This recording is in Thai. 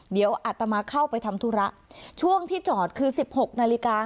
เดี๋ยวอัตมาเข้าไปทำธุระช่วงที่จอดคือ๑๖นาฬิกา